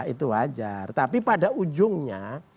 itu wajar tapi pada ujungnya